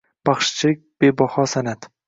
Baxshichilik – bebaho san’atng